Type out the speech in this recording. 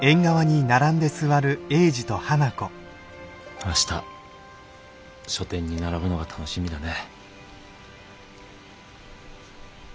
明日書店に並ぶのが楽しみだね。